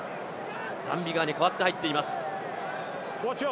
ダン・ビガーに代わって入っています。